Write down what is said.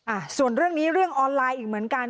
อ่ะส่วนเรื่องนี้เรื่องออนไลน์อีกเหมือนกัน